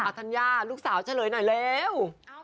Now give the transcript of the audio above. ธัญญาลูกสาวเฉลยหน่อยเร็ว